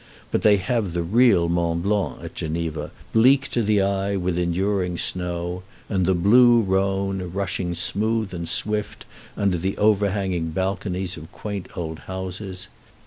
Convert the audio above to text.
But they have the real Mont Blanc at Geneva, bleak to the eye with enduring snow, and the Blue Rhone, rushing smooth and swift under the overhanging balconies of quaint old houses.